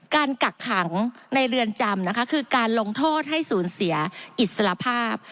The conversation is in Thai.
กักขังในเรือนจำนะคะคือการลงโทษให้สูญเสียอิสระภาพ